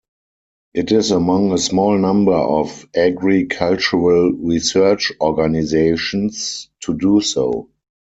It is among a small number of agricultural research organisations to do so.